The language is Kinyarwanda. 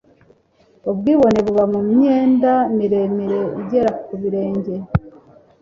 ubwibone buba mu myenda miremire igera ku birenge